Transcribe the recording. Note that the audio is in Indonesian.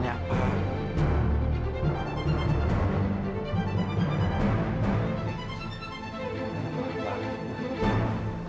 nggak nggak mau